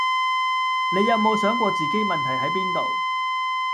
你有無想過自己問題係邊度？